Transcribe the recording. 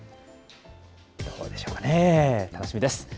どうでしょうかね、楽しみです。